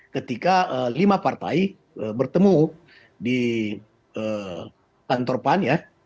ketika lima partai bertemu di kantor pan ya